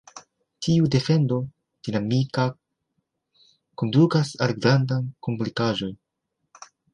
Tiu defendo dinamika kondukas al grandaj komplikaĵoj.